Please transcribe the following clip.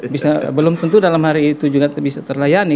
belum tentu dalam hari itu juga bisa terlayani